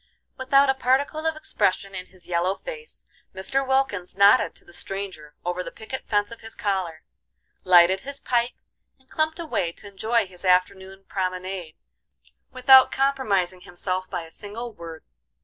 Without a particle of expression in his yellow face, Mr. Wilkins nodded to the stranger over the picket fence of his collar, lighted his pipe, and clumped away to enjoy his afternoon promenade without compromising himself by a single word.